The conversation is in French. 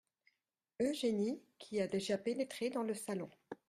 Eugénie qui a déjà pénétré dans le salon.